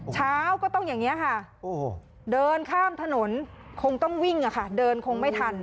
เช้าก็ต้องอย่างนี้ค่ะเดินข้ามถนนคงต้องวิ่งอะค่ะเดินคงไม่ทัน